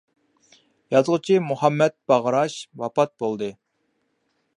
يازغۇچى مۇھەممەت باغراش ۋاپات بولدى.